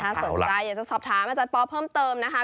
ถ้าสนใจอยากจะสอบถามอปแพ้มเติมนะคะ